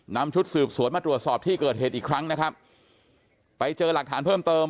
ชุดสืบสวนมาตรวจสอบที่เกิดเหตุอีกครั้งนะครับไปเจอหลักฐานเพิ่มเติม